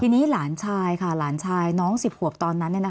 ทีนี้หลานชายค่ะหลานชายน้องสิบหวบตอนนั้นเนี่ยนะคะ